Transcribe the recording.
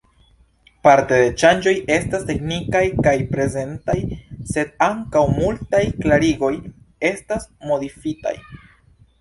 Parte la ŝanĝoj estas teknikaj kaj prezentaj, sed ankaŭ multaj klarigoj estas modifitaj.